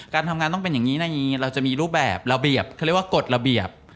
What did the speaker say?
การทำงานต้องเป็นอย่างนี้นะอย่างนี้เราจะมีรูปแบบระเบียบเขาเรียกว่ากฎระเบียบ